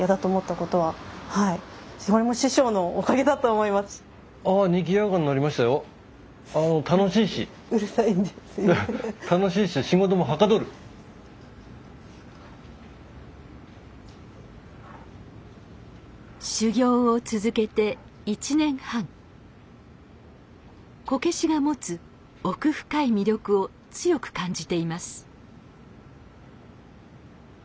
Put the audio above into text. こけしが持つ奥深い魅力を強く感じています。